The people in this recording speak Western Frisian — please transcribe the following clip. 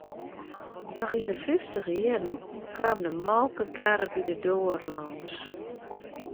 Noch yn 'e fyftiger jierren kaam de molkekarre by de doar lâns.